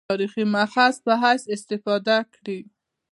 تاریخي مأخذ په حیث استفاده کړې.